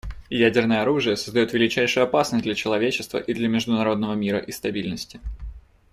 Ядерное оружие создает величайшую опасность для человечества и для международного мира и стабильности.